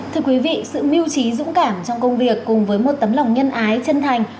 thưa quý vị sự mưu trí dũng cảm trong công việc cùng với một tấm lòng nhân ái chân thành